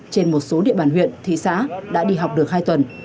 trên một số địa bàn huyện thị xã đã đi học được hai tuần